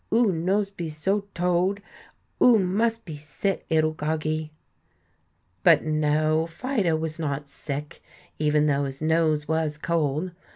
"Oo nose be so told, oo mus' be sit, 'ittle goggie!" But no, Fido was not sick, even though his nose was cold.